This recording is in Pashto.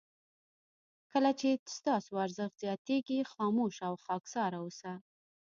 کله چې ستاسو ارزښت زیاتېږي خاموشه او خاکساره اوسه.